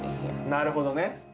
なるほどね。